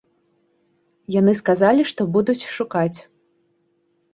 Яны сказалі, што будуць шукаць.